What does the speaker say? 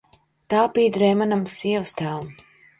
Tā piederēja manam sievastēvam.